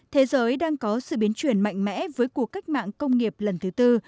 thế giới đang có sự biến chuyển mạnh mẽ với cuộc cách mạng công nghiệp lần thứ tư